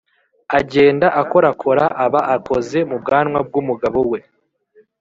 agenda akorakora aba akoze mu bwanwa bw'umugabo we